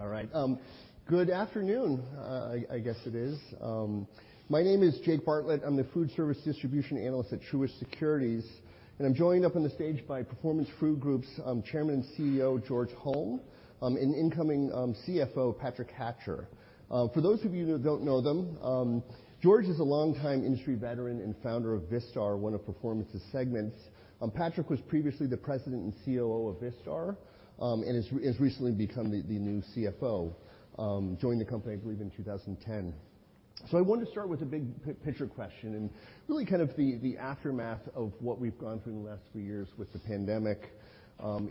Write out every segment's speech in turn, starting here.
All right. Good afternoon. I guess it is. My name is Jake Bartlett. I'm the food service distribution analyst at Truist Securities, and I'm joined up on the stage by Performance Food Group's Chairman and CEO, George Holm, and incoming CFO, Patrick Hatcher. For those of you who don't know them, George is a longtime industry veteran and founder of Vistar, one of Performance's segments. Patrick was previously the President and COO of Vistar, and has recently become the new CFO. Joined the company I believe in 2010. I wanted to start with a big picture question and really kind of the aftermath of what we've gone through in the last few years with the pandemic.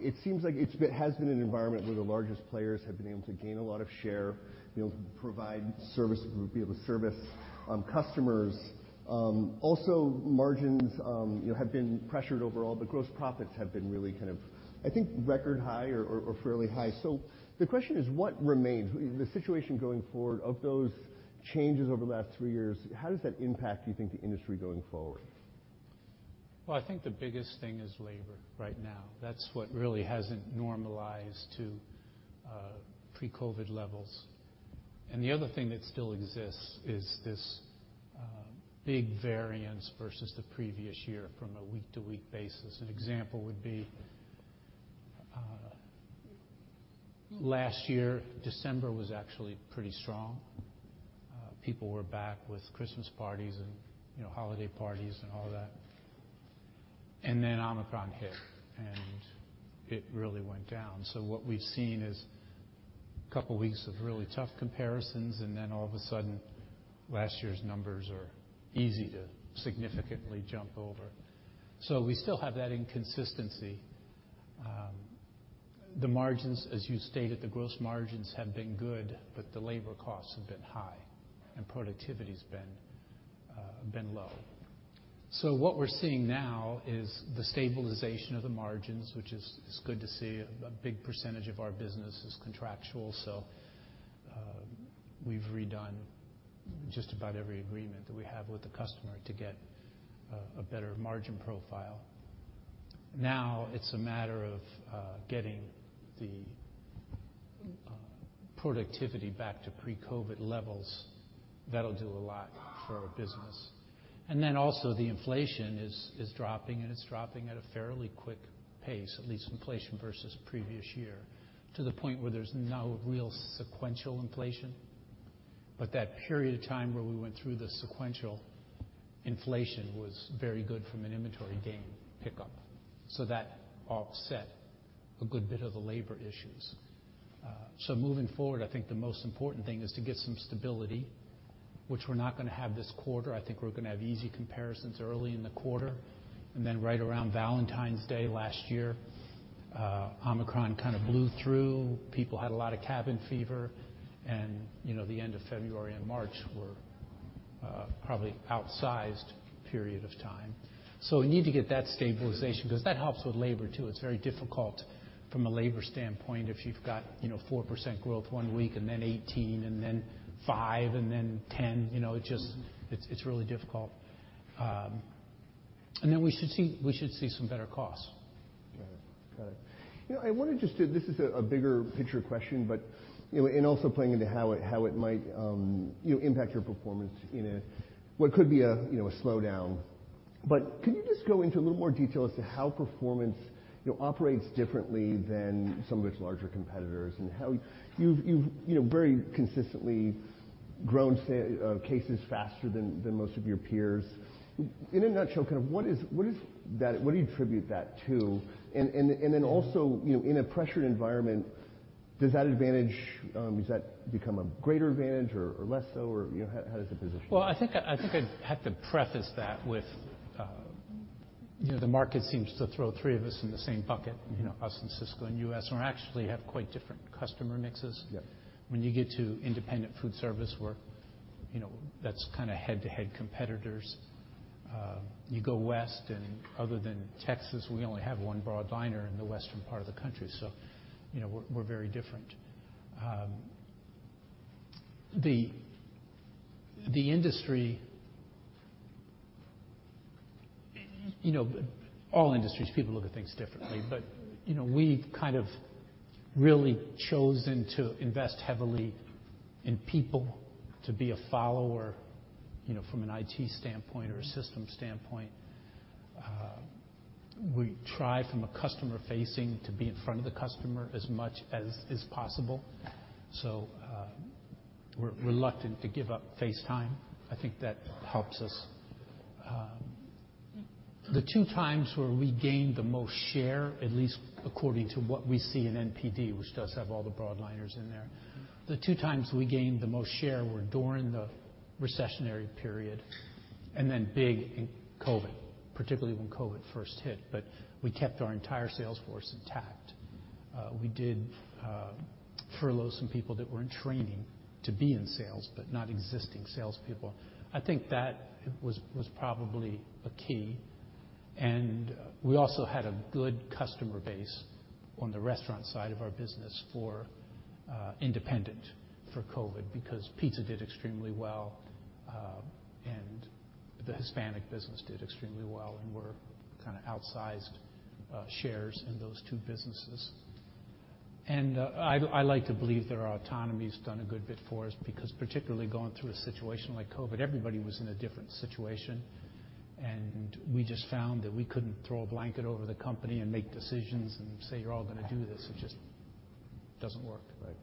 It seems like it's been an environment where the largest players have been able to gain a lot of share, been able to provide service, be able to service customers. Also margins, you know, have been pressured overall, but gross profits have been really kind of, I think, record high or fairly high. The question is: what remains? The situation going forward, of those changes over the last three years, how does that impact, you think, the industry going forward? Well, I think the biggest thing is labor right now. That's what really hasn't normalized to pre-COVID levels. The other thing that still exists is this big variance versus the previous year from a week-to-week basis. An example would be last year, December was actually pretty strong. People were back with Christmas parties and, you know, holiday parties and all that. Then Omicron hit, and it really went down. What we've seen is couple weeks of really tough comparisons, and then all of a sudden last year's numbers are easy to significantly jump over. We still have that inconsistency. The margins, as you stated, the gross margins have been good, but the labor costs have been high and productivity's been low. What we're seeing now is the stabilization of the margins, which is good to see. A big percentage of our business is contractual, so we've redone just about every agreement that we have with the customer to get a better margin profile. Now it's a matter of getting the productivity back to pre-COVID levels. That'll do a lot for our business. Also the inflation is dropping, and it's dropping at a fairly quick pace, at least inflation versus previous year to the point where there's no real sequential inflation. That period of time where we went through the sequential inflation was very good from an inventory gain pickup, so that offset a good bit of the labor issues. Moving forward, I think the most important thing is to get some stability, which we're not gonna have this quarter. I think we're gonna have easy comparisons early in the quarter. Right around Valentine's Day last year, Omicron kind of blew through. People had a lot of cabin fever, and, you know, the end of February and March were probably outsized period of time. We need to get that stabilization, because that helps with labor, too. It's very difficult from a labor standpoint if you've got, you know, 4% growth one week and then 18% and then 5% and then 10%. You know, it's really difficult. We should see, we should see some better costs. Got it. Got it. You know, I wanted just this is a bigger picture question, you know, and also playing into how it, how it might, you know, impact your performance in what could be a slowdown. Can you just go into a little more detail as to how Performance, you know, operates differently than some of its larger competitors and how you've, you know, very consistently grown cases faster than most of your peers? In a nutshell, kind of what is that what do you attribute that to? Also, you know, in a pressured environment, does that advantage become a greater advantage or less so? You know, how does it position? I think I'd have to preface that with, you know, the market seems to throw three of us in the same bucket, you know, us and Sysco and US, when we actually have quite different customer mixes. Yeah. When you get to independent foodservice where, you know, that's kind of head-to-head competitors. You go west, Other than Texas, we only have one broadliner in the western part of the country, you know, we're very different. You know, all industries, people look at things differently, you know, we've kind of really chosen to invest heavily in people to be a follower, you know, from an IT standpoint or a system standpoint. We try from a customer facing to be in front of the customer as much as is possible, we're reluctant to give up face time. I think that helps us. The two times where we gained the most share, at least according to what we see in NPD, which does have all the broadliners in there, the two times we gained the most share were during the recessionary period and then big in COVID, particularly when COVID first hit. We kept our entire sales force intact. We did furlough some people that were in training to be in sales, but not existing salespeople. I think that was probably a key. We also had a good customer base on the restaurant side of our business for independent for COVID, because pizza did extremely well. The Hispanic business did extremely well, and we're kind of outsized shares in those two businesses. I like to believe that our autonomy's done a good bit for us because particularly going through a situation like COVID, everybody was in a different situation. We just found that we couldn't throw a blanket over the company and make decisions and say, "You're all gonna do this." It just doesn't work. Right.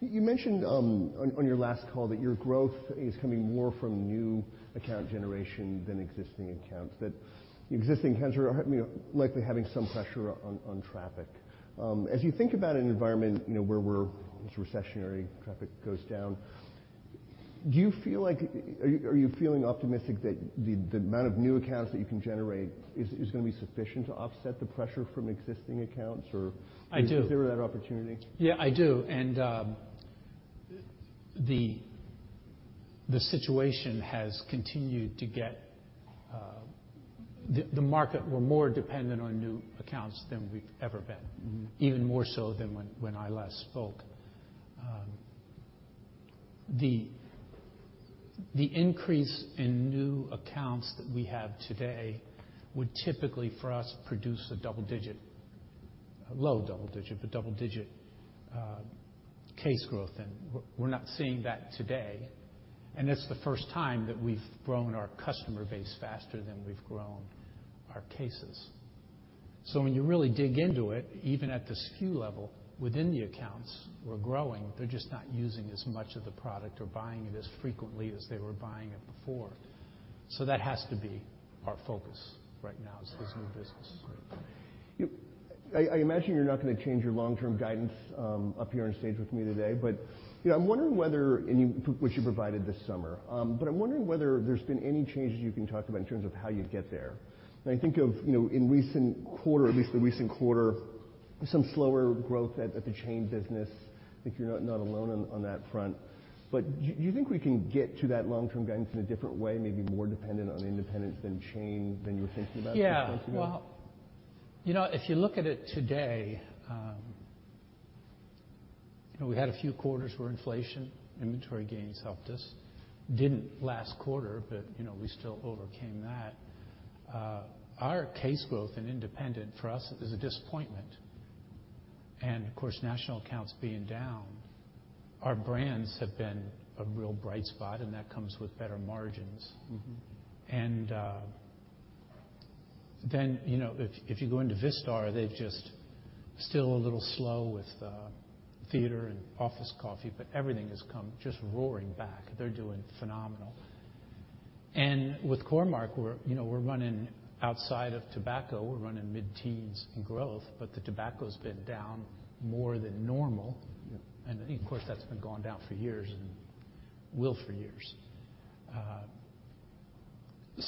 You mentioned, on your last call that your growth is coming more from new account generation than existing accounts, that the existing accounts are, you know, likely having some pressure on traffic. As you think about an environment, you know, where it's recessionary, traffic goes down, Are you feeling optimistic that the amount of new accounts that you can generate is gonna be sufficient to offset the pressure from existing accounts or? I do. Is there that opportunity? Yeah, I do. The situation has continued to get. The market, we're more dependent on new accounts than we've ever been. Mm-hmm. Even more so than when I last spoke. The increase in new accounts that we have today would typically for us produce a double digit, low double digit, but double digit, case growth. We're not seeing that today. It's the first time that we've grown our customer base faster than we've grown our cases. When you really dig into it, even at the SKU level within the accounts, we're growing, they're just not using as much of the product or buying it as frequently as they were buying it before. That has to be our focus right now is new business. Agreed. I imagine you're not gonna change your long-term guidance up here on stage with me today. You know, I'm wondering which you provided this summer. I'm wondering whether there's been any changes you can talk about in terms of how you get there. I think of, you know, in recent quarter, at least the recent quarter, some slower growth at the chain business. I think you're not alone on that front. Do you think we can get to that long-term guidance in a different way, maybe more dependent on independence than chain than you were thinking about six months ago? Yeah. Well, you know, if you look at it today, you know, we had a few quarters where inflation, inventory gains helped us. Didn't last quarter, but, you know, we still overcame that. Our case growth and independent for us is a disappointment. Of course, national accounts being down, our brands have been a real bright spot, and that comes with better margins. Mm-hmm. You know, if you go into Vistar, they're just still a little slow with theater and office coffee, everything has come just roaring back. They're doing phenomenal. With Core-Mark, we're, you know, we're running outside of tobacco. We're running mid-teens in growth. The tobacco's been down more than normal. Yeah. Of course, that's been going down for years and will for years.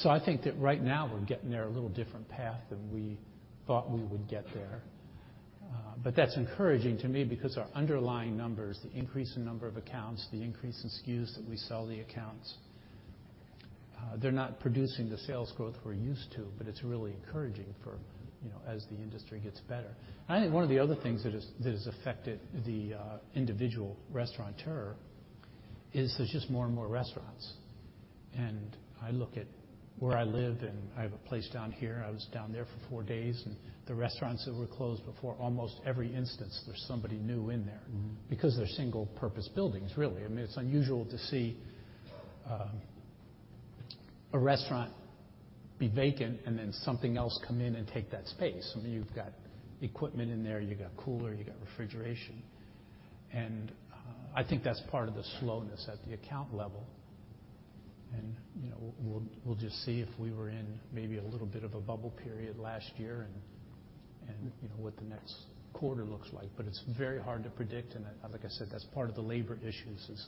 I think that right now we're getting there a little different path than we thought we would get there. That's encouraging to me because our underlying numbers, the increase in number of accounts, the increase in SKUs that we sell the accounts, they're not producing the sales growth we're used to, but it's really encouraging for, you know, as the industry gets better. I think one of the other things that has affected the individual restaurateur is there's just more and more restaurants. I look at where I live, and I have a place down here. I was down there for four days, and the restaurants that were closed before, almost every instance, there's somebody new in there. Mm-hmm. Because they're single purpose buildings, really. I mean, it's unusual to see, a restaurant be vacant and then something else come in and take that space. I mean, you've got equipment in there. You've got cooler. You've got refrigeration. I think that's part of the slowness at the account level. You know, we'll just see if we were in maybe a little bit of a bubble period last year and, you know, what the next quarter looks like. It's very hard to predict, and like I said, that's part of the labor issues is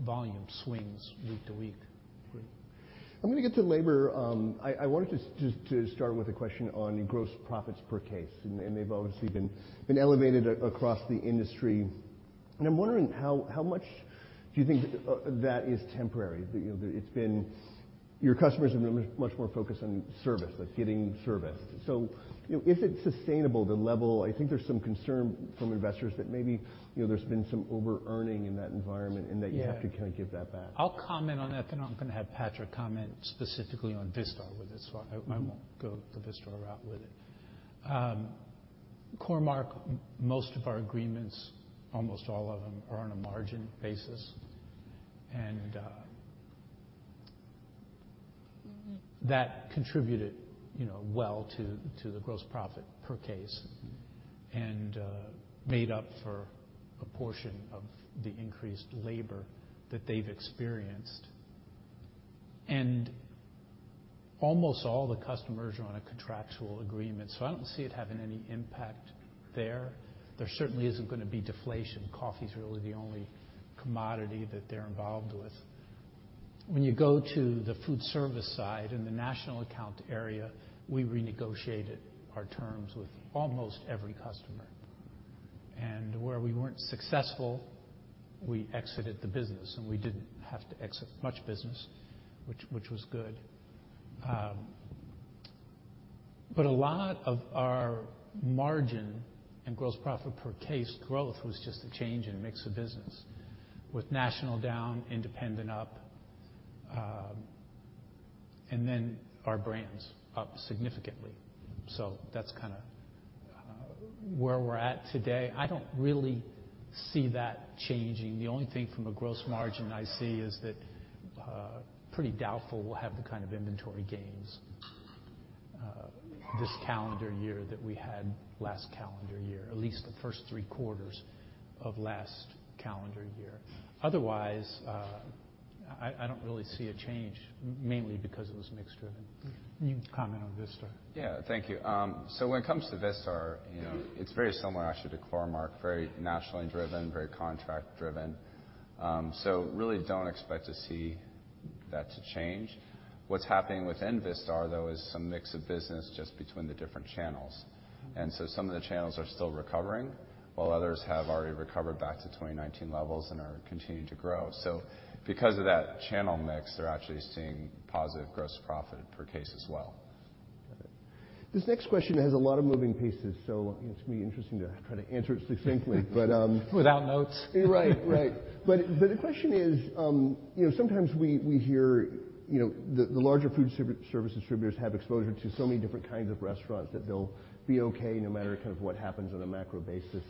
volume swings week to week. Right. I'm gonna get to labor. I wanted to start with a question on gross profits per case. They've obviously been elevated across the industry. I'm wondering how much do you think that is temporary? You know, Your customers have been much more focused on service, like getting service. You know, is it sustainable, the level I think there's some concern from investors that maybe, you know, there's been some overearning in that environment, and that you have to kind of give that back. I'll comment on that. I'm gonna have Patrick comment specifically on Vistar with this one. I won't go the Vistar route with it. Core-Mark, most of our agreements, almost all of them are on a margin basis. That contributed, you know, well to the gross profit per case and made up for a portion of the increased labor that they've experienced. Almost all the customers are on a contractual agreement, so I don't see it having any impact there. There certainly isn't gonna be deflation. Coffee's really the only commodity that they're involved with. When you go to the foodservice side in the national account area, we renegotiated our terms with almost every customer. Where we weren't successful, we exited the business, and we didn't have to exit much business, which was good. But a lot of our margin and gross profit per case growth was just a change in mix of business, with national down, independent up, and then our brands up significantly. That's kinda where we're at today. I don't really see that changing. The only thing from a gross margin I see is that pretty doubtful we'll have the kind of inventory gains this calendar year that we had last calendar year, at least the first three quarters of last calendar year. Otherwise, I don't really see a change mainly because it was mix driven. You comment on Vistar. Yeah. Thank you. When it comes to Vistar, you know, it's very similar actually to core-mark, very nationally driven, very contract driven. Really don't expect to see that to change. What's happening within Vistar, though, is some mix of business just between the different channels. Some of the channels are still recovering while others have already recovered back to 2019 levels and are continuing to grow. Because of that channel mix, they're actually seeing positive gross profit per case as well. Got it. This next question has a lot of moving pieces, so it's gonna be interesting to try to answer it succinctly. Without notes. Right. Right. The question is, you know, sometimes we hear, you know, the larger foodservice distributors have exposure to so many different kinds of restaurants that they'll be okay no matter kind of what happens on a macro basis.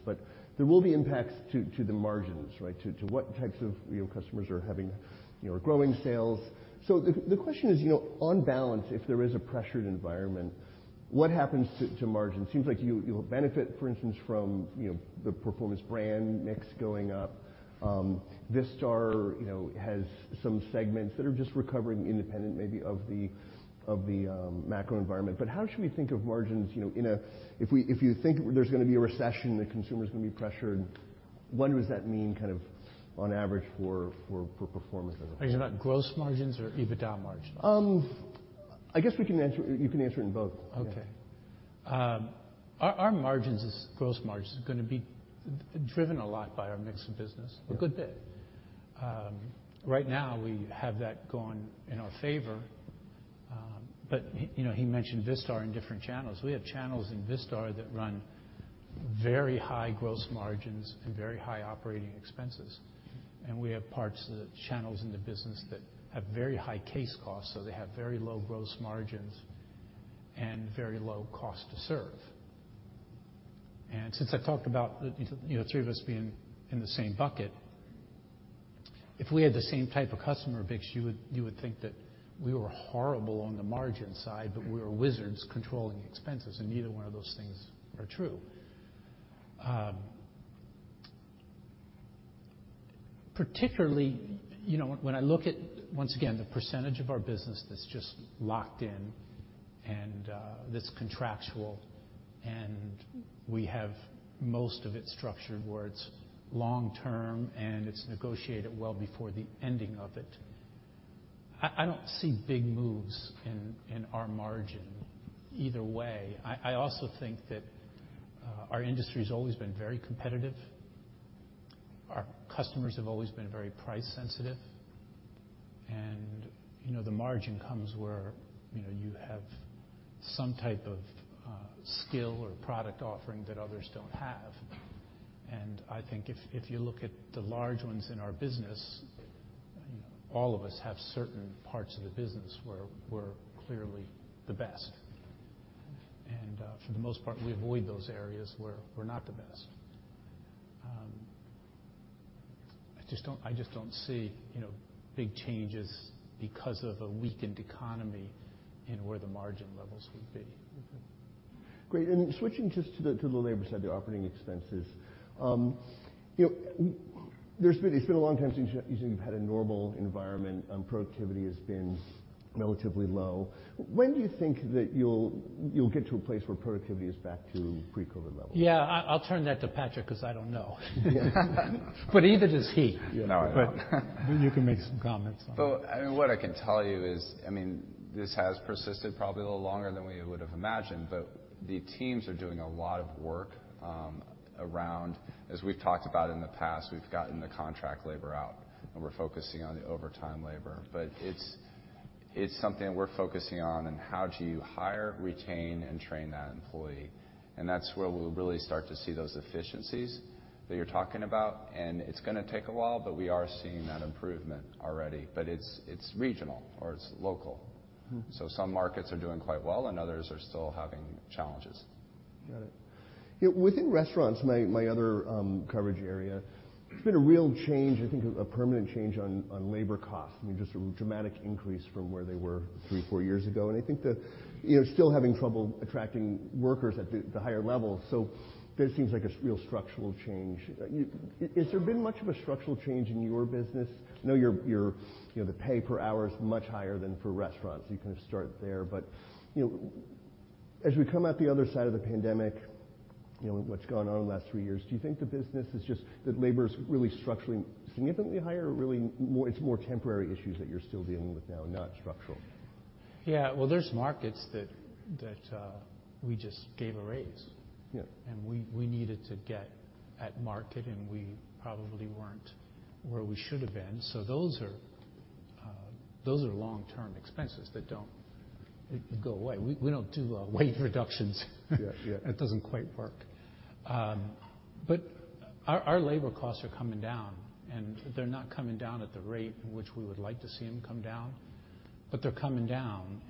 There will be impacts to the margins, right? To what types of, you know, customers are having, you know, growing sales. The question is, you know, on balance, if there is a pressured environment, what happens to margin? Seems like you'll benefit, for instance, from, you know, the Performance brand mix going up. Vistar, you know, has some segments that are just recovering independent maybe of the macro environment. How should we think of margins, you know, if you think there's gonna be a recession, the consumer's gonna be pressured, what does that mean kind of on average for Performance Food Group? Are you talking about gross margins or EBITDA margins? I guess we can answer in both. Okay. Our gross margins is going to be driven a lot by our mix of business. Yeah. A good bit. Right now we have that going in our favor. You know, he mentioned Vistar in different channels. We have channels in Vistar that run very high gross margins and very high operating expenses. We have parts of the channels in the business that have very high case costs, so they have very low gross margins and very low cost to serve. Since I talked about the, you know, three of us being in the same bucket, if we had the same type of customer mix, you would think that we were horrible on the margin side, but we were wizards controlling expenses, and neither one of those things are true. Particularly, you know, when I look at, once again, the percentage of our business that's just locked in and that's contractual and we have most of it structured where it's long-term and it's negotiated well before the ending of it, I don't see big moves in our margin either way. I also think that our industry's always been very competitive. Our customers have always been very price sensitive. You know, the margin comes where, you know, you have some type of skill or product offering that others don't have. I think if you look at the large ones in our business, all of us have certain parts of the business where we're clearly the best. For the most part, we avoid those areas where we're not the best. I just don't, I just don't see, you know, big changes because of a weakened economy in where the margin levels would be. Okay. Great. Switching just to the, to the labor side, the operating expenses. You know, it's been a long time since you said you've had a normal environment. Productivity has been relatively low. When do you think that you'll get to a place where productivity is back to pre-COVID levels? Yeah. I'll turn that to Patrick, because I don't know. Either does he. No, I don't. Maybe you can make some comments on that. I mean, what I can tell you is, I mean, this has persisted probably a little longer than we would have imagined, the teams are doing a lot of work, around, as we've talked about in the past, we've gotten the contract labor out, and we're focusing on the overtime labor. It's something we're focusing on and how do you hire, retain, and train that employee. That's where we'll really start to see those efficiencies that you're talking about, and it's gonna take a while, we are seeing that improvement already. It's regional or it's local. Mm-hmm. Some markets are doing quite well and others are still having challenges. Got it. You know, within restaurants, my other coverage area, there's been a real change, I think a permanent change on labor costs. I mean, just a dramatic increase from where they were three, four years ago. I think that, you know, still having trouble attracting workers at the higher level. There seems like a real structural change. Has there been much of a structural change in your business? I know your, you know, the pay per hour is much higher than for restaurants, you can start there. You know, as we come out the other side of the pandemic, you know, what's gone on in the last three years, do you think that labor is really structurally significantly higher or it's more temporary issues that you're still dealing with now, not structural? Yeah. Well, there's markets that we just gave a raise. Yeah. We needed to get at market, and we probably weren't where we should have been. Those are long-term expenses that don't go away. We don't do wage reductions. Yeah, yeah. It doesn't quite work. Our labor costs are coming down. They're not coming down at the rate in which we would like to see them come down, but they're coming down.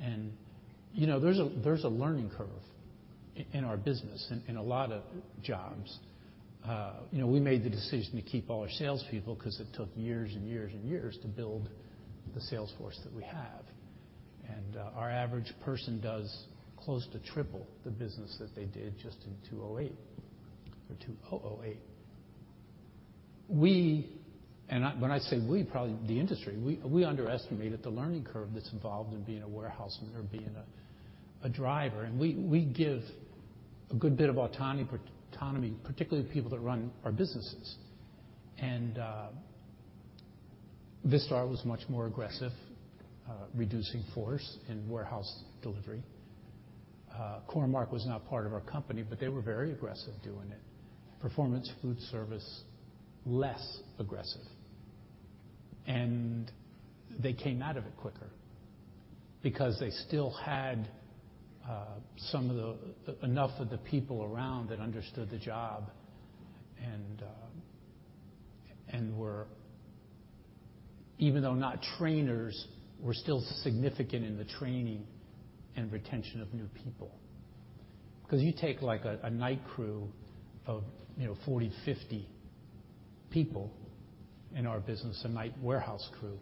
You know, there's a learning curve in our business and in a lot of jobs. You know, we made the decision to keep all our salespeople 'cause it took years and years and years to build the sales force that we have. Our average person does close to triple the business that they did just in 2008 or 2008. When I say we, probably the industry, we underestimated the learning curve that's involved in being a warehouseman or being a driver. We give a good bit of autonomy, particularly to people that run our businesses. Vistar was much more aggressive reducing force in warehouse delivery. Core-Mark was not part of our company, but they were very aggressive doing it. Performance Foodservice, less aggressive. They came out of it quicker because they still had some of the enough of the people around that understood the job and were, even though not trainers, were still significant in the training and retention of new people. Because you take, like, a night crew of, you know, 40, 50 people in our business, a night warehouse crew,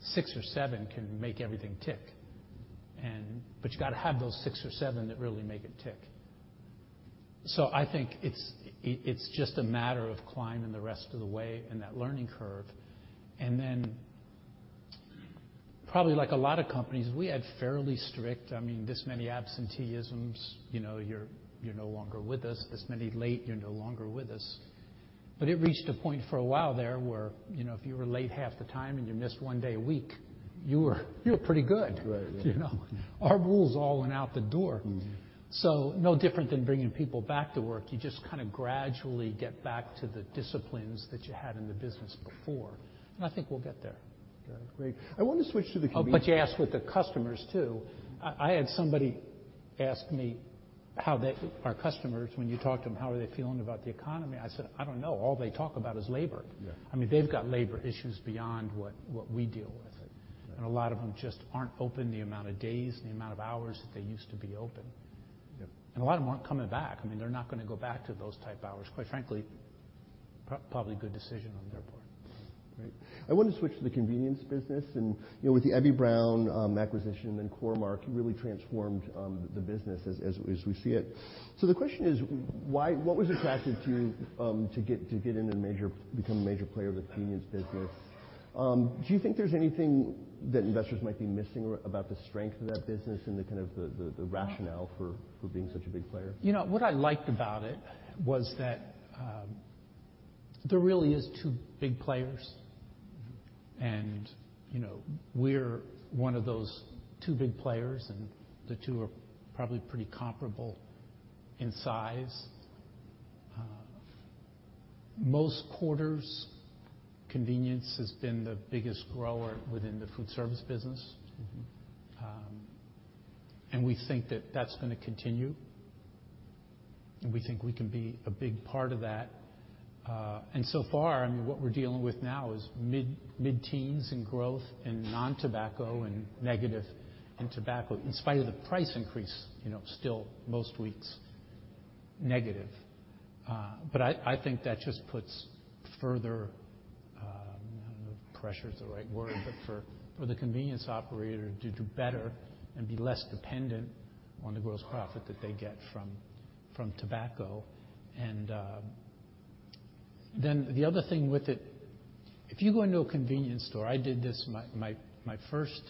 six or seven can make everything tick. But you gotta have those six or seven that really make it tick. I think it's just a matter of climbing the rest of the way in that learning curve. Probably like a lot of companies, we had fairly strict, I mean, this many absenteeisms, you know, you're no longer with us. This many late, you're no longer with us. It reached a point for a while there where, you know, if you were late half the time and you missed one day a week, you were pretty good. Right. Yeah. You know? Our rules all went out the door. Mm-hmm. no different than bringing people back to work. You just kind of gradually get back to the disciplines that you had in the business before, and I think we'll get there. Okay, great. I wanna switch to the- You asked with the customers, too. I had somebody ask me how our customers, when you talk to them, how are they feeling about the economy? I said, "I don't know. All they talk about is labor. Yeah. I mean, they've got labor issues beyond what we deal with. Right. A lot of them just aren't open the amount of days and the amount of hours that they used to be open. Yeah. A lot of them aren't coming back. I mean, they're not gonna go back to those type hours. Quite frankly, probably a good decision on their part. Great. I wanna switch to the convenience business and, you know, with the Eby-Brown acquisition and Core-Mark, you really transformed the business as we see it. The question is, what was attractive to you to get into become a major player of the convenience business? Do you think there's anything that investors might be missing about the strength of that business and the kind of the rationale for being such a big player? You know, what I liked about it was that, there really is two big players. Mm-hmm. You know, we're one of those two big players, and the two are probably pretty comparable in size. Most quarters, convenience has been the biggest grower within the food service business. Mm-hmm. We think that that's gonna continue, and we think we can be a big part of that. So far, I mean, what we're dealing with now is mid-teens in growth in nontobacco and negative in tobacco, in spite of the price increase, you know, still most weeks negative. I think that just puts further, I don't know if pressure is the right word, but for the convenience operator to do better and be less dependent on the gross profit that they get from tobacco. The other thing with it, if you go into a convenience store, I did this my first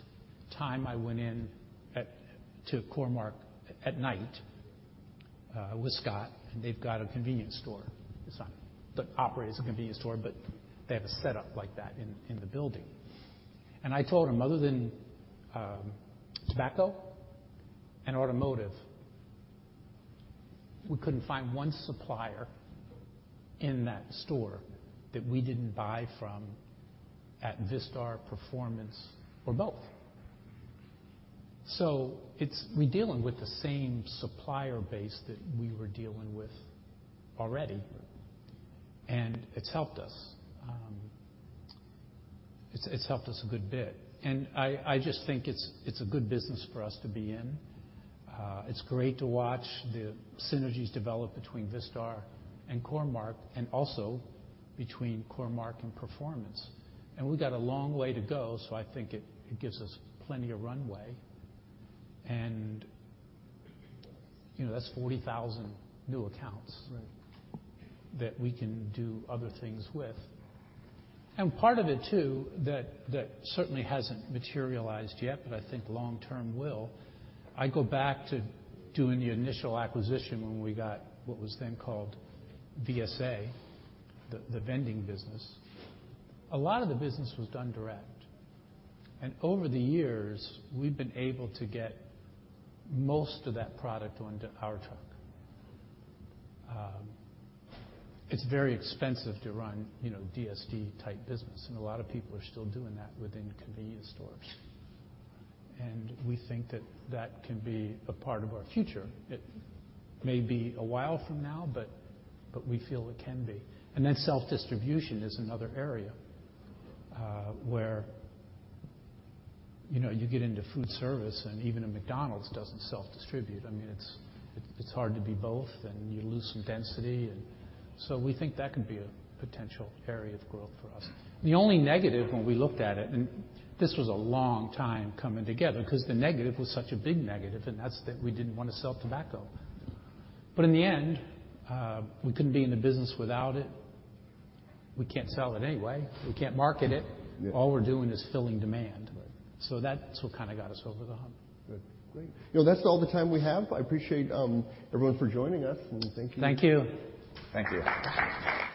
time I went in to Core-Mark at night, with Scott, and they've got a convenience store. That operates a convenience store, but they have a setup like that in the building. I told him, other than tobacco and automotive, we couldn't find one supplier in that store that we didn't buy from at Vistar, Performance, or both. We're dealing with the same supplier base that we were dealing with already. Right. It's helped us. It's helped us a good bit. I just think it's a good business for us to be in. It's great to watch the synergies develop between Vistar and Core-Mark and also between Core-Mark and Performance. We've got a long way to go, so I think it gives us plenty of runway. You know, that's 40,000 new accounts. Right... that we can do other things with. Part of it, too, that certainly hasn't materialized yet, but I think long term will, I go back to doing the initial acquisition when we got what was then called VSA, the vending business. A lot of the business was done direct. Over the years, we've been able to get most of that product onto our truck. It's very expensive to run, you know, DSD-type business, and a lot of people are still doing that within convenience stores. We think that can be a part of our future. It may be a while from now, but we feel it can be. Self-distribution is another area, where, you know, you get into food service and even a McDonald's doesn't self-distribute. I mean, it's hard to be both, and you lose some density. We think that can be a potential area of growth for us. The only negative when we looked at it, and this was a long time coming together, because the negative was such a big negative, and that's that we didn't wanna sell tobacco. In the end, we couldn't be in the business without it. We can't sell it anyway. We can't market it. Yeah. All we're doing is filling demand. Right. That's what kinda got us over the hump. Good. Great. You know, that's all the time we have. I appreciate everyone for joining us. Thank you. Thank you. Thank you.